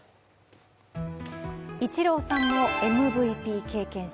イチローさんもＭＶＰ経験者。